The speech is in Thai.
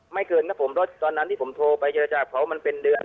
คืนครับผมเพราะตอนนั้นที่ผมโทรไปเจรจาเขามันเป็นเดือน